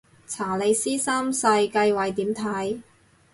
查理斯三世繼位點睇